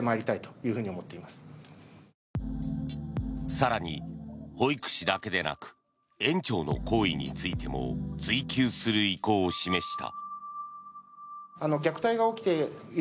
更に、保育士だけでなく園長の行為についても追及する意向を示した。